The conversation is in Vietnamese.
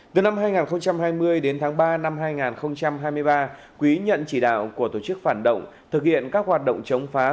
từ năm hai nghìn hai mươi đến tháng ba năm hai nghìn hai mươi ba quý nhận chỉ đạo của tổ chức phản động thực hiện các hoạt động chống phá